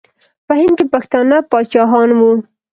په هند کې پښتانه پاچاهان وو.